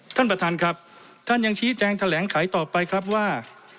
ท่านประธานครับท่านยังชี้แจงแถลงไขต่อไปครับว่า